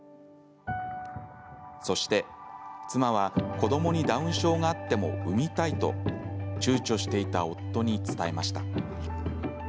そして、妻は子どもにダウン症があっても産みたいとちゅうちょしていた夫に伝えました。